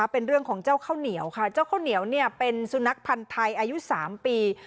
เป็นเรื่องของเจ้าข้าวเหนียวค่ะเจ้าข้าวเหนียวเป็นสุนัขพันธ์ไทยอายุ๓ปี